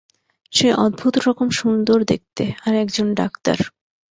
সে অদ্ভুতরকম সুন্দর দেখতে, আর একজন ডাক্তার।